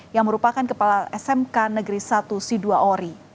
yang merupakan kepala smk negeri satu si dua ori